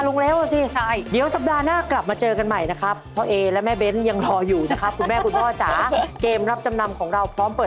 ของที่คุณออสเอามาจำนำคือ